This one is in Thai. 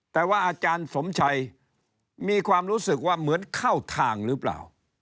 แต่ว่าอาจารย์สมชัยมีความรู้สึกว่าเหมือนเข้าทางหรือเปล่า